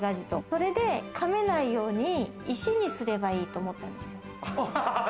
それで噛めないように石にすればいいと思ったんです。